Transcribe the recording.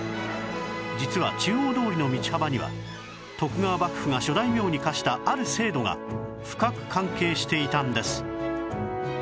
実は中央通りの道幅には徳川幕府が諸大名に課したある制度が深く関係していたんです